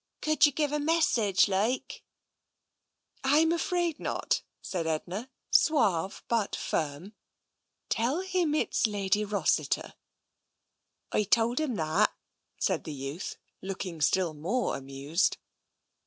Could you give a message, like ?"" Tm afraid not,'* said Edna, suave but firm. " Tell him it's Lady Rossiter." " I told him that," said the youth, looking still more amused.